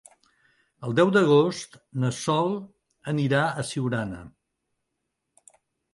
El deu d'agost na Sol anirà a Siurana.